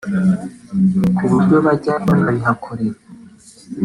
ku buryo bajya banabihakorera